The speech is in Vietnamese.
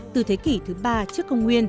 từ thế kỷ thứ ba trước